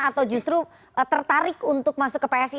atau justru tertarik untuk masuk ke psi